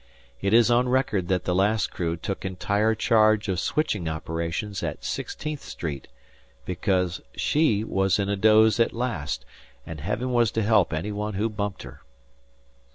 It is on record that the last crew took entire charge of switching operations at Sixteenth Street, because "she" was in a doze at last, and Heaven was to help any one who bumped her.